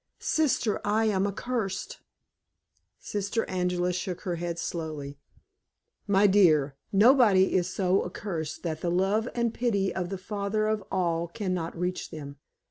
Sister, I am accursed!" Sister Angela shook her head slowly. "My dear, nobody is so accursed that the love and pity of the Father of all can not reach them.